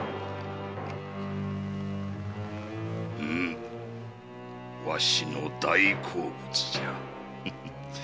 うむわしの大好物じゃ。